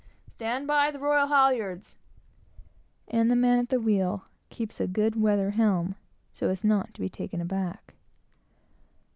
"Stand by the royal halyards;" the man at the wheel keeps a good weather helm, so as not to be taken aback.